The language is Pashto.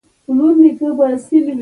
بېنډۍ له سرې مرچو سره خاص خوند لري